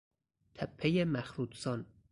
تپهی مخروطسان